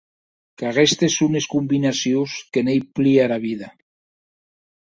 Qu’aguestes son es combinacions que n’ei plia era vida.